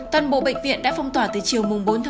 toàn bộ bệnh viện đã phong tỏa từ chiều bốn một mươi